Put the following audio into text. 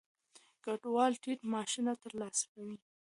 کډوال ټیټ معاشونه ترلاسه کوي.